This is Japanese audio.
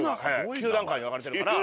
９段階に分かれてるから。